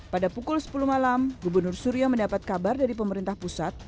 pada pukul sepuluh malam gubernur suryo mendapat kabar dari pemerintah pusat